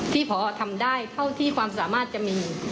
พอทำได้เท่าที่ความสามารถจะมี